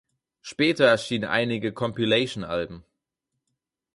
Später erschienen einige Compilation-Alben.